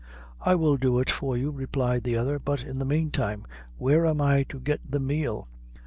"I will do it for you," replied the other; "but in the meantime where am I to get the meal?"